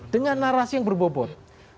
dengan narasi yang berbobot